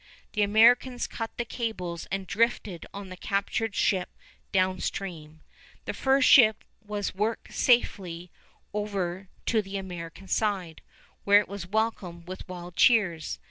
The Americans cut the cables and drifted on the captured ship downstream. The fur ship was worked safely over to the American side, where it was welcomed with wild cheers.